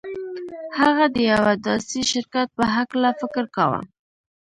هغه د يوه داسې شرکت په هکله فکر کاوه.